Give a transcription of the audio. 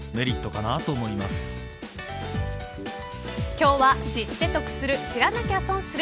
今日は知って得する知らなきゃ損する